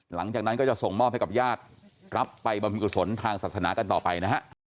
หลังจากนั้นก็จะส่งมอบให้กับญาติรับไปบรรพิกุศลทางศาสนากันต่อไปนะฮะ